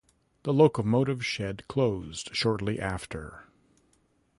The locomotive shed closed shortly after.